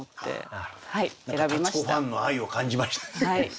立子ファンの愛を感じました。